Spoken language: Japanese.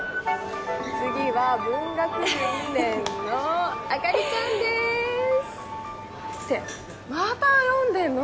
次は文学部２年のあかりちゃんですってまた読んでんの？